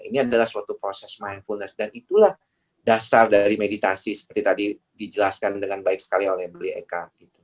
ini adalah suatu proses mindfulness dan itulah dasar dari meditasi seperti tadi dijelaskan dengan baik sekali oleh beli eka